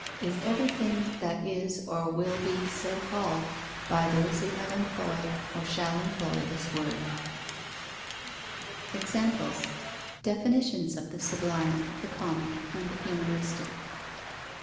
is everything that is or will be so called by those who have employed or shall employ this word. _Examples: definitions of the sublime, the comic, and the humoristic.